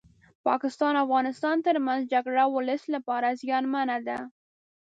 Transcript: پاکستان او افغانستان ترمنځ جګړه ولس لپاره زيانمنه ده